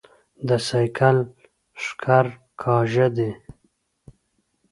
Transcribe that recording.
د سايکل ښکر کاژه دي